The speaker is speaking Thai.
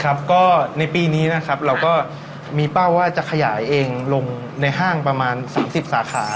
ก็ในปีนี้นะครับเราก็มีเป้าว่าจะขยายเองลงในห้างประมาณ๓๐สาขา